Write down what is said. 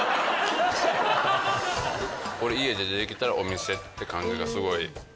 これ家で出てきたらお店って感じがすごい。